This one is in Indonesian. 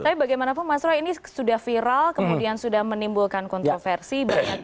tapi bagaimanapun mas roy ini sudah viral kemudian sudah menimbulkan kontroversi